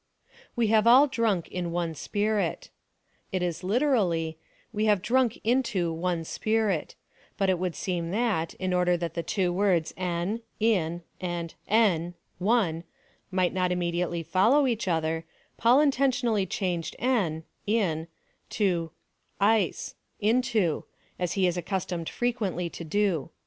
We have all drunk in one Spirit. It is literally, " We have drunk into one Spirit," but it would seem that, in order that the two words ev (in) and ev (one) might not immedi ately follow each other, Paul intentionally changed ev (in) into 649 (into,) as he is accustomed frequently to do.